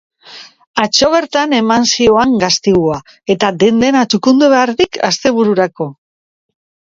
Atzo bertan eman zioan gaztigua eta den-dena txukundu behar dik astebururako.